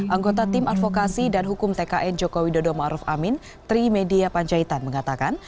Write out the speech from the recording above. anggota tim advokasi dan hukum tkn jokowi dodo ma'ruf amin tri media panjaitan mengatakan